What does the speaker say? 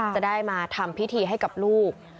จะได้มาทำพิธีให้กับลูก